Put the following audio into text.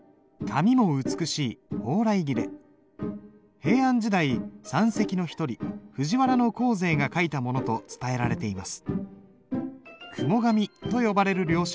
平安時代三蹟の一人藤原行成が書いたものと伝えられています。